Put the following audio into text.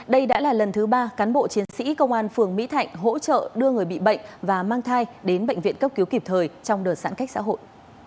đây đã là lần thứ ba cán bộ chiến sĩ công an phường mỹ thạnh hỗ trợ đưa người bị bệnh và mang thai đến bệnh viện cấp cứu kịp thời trong đợt giãn cách xã hội